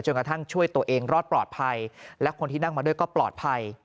กระทั่งช่วยตัวเองรอดปลอดภัยและคนที่นั่งมาด้วยก็ปลอดภัย